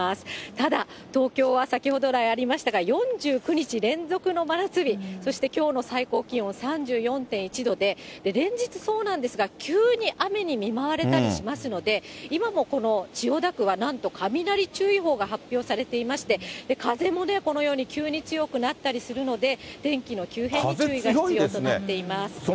ただ、東京は先ほど来ありましたが、４９日連続の真夏日、そしてきょうの最高気温３４．１度で、連日そうなんですが、急に雨に見舞われたりしますので、今もこの千代田区は、なんと雷注意報が発表されていまして、風も、このように急に強くなったりするので、天気の急変には注意が必要となっています。